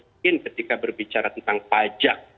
mungkin ketika berbicara tentang pajak